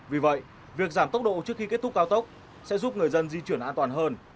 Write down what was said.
vì vậy việc giảm tốc độ trước khi kết thúc cao tốc sẽ giúp người dân di chuyển an toàn hơn